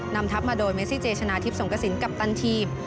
นำทัพมาโดยเมซิเจชนะทิพย์สงกระสินกัปตันทีม